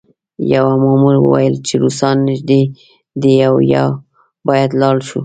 یوه مامور وویل چې روسان نږدې دي او باید لاړ شو